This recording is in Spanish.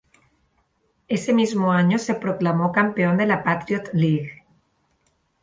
Ese mismo año se proclamó campeón de la Patriot League.